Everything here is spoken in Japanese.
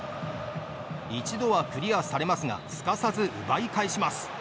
一度はクリアされますがすかさず奪い返します。